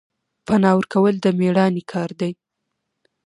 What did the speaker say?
پنا ورکول د میړانې کار دی